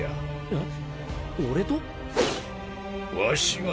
えっ？